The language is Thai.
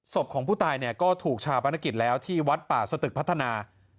ศพของผู้ตายเนี่ยก็ถูกชาปนกิจแล้วที่วัดป่าสตึกพัฒนา